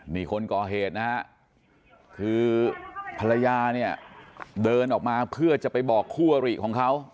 นี่คนก่อเหตุนะฮะคือภรรยาเนี่ยเดินออกมาเพื่อจะไปบอกคู่อริของเขา